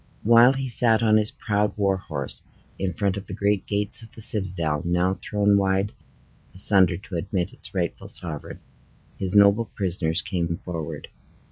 While he sat on his proud war horse, in front of the great gates of the citadel, now thrown wide asunder to admit its rightful sovereign, his noble prisoners came forward.